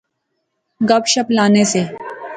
گپ شپ لانے سے